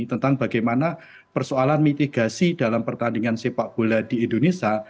tentang bagaimana persoalan mitigasi dalam pertandingan sepak bola di indonesia